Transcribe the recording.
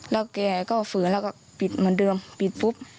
แล้วแกก็ฝืนแล้วก็ปิดเหมือนเดิมปิดปุ๊บ